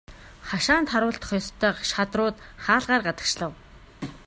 Хашаанд харуулдах ёстой шадрууд хаалгаар гадагшлав.